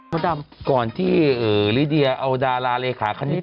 ดำก่อนที่ลิเดียเอาดาราเลขาคณิต